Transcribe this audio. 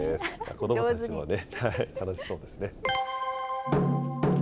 子どもたちもね、楽しそうですね。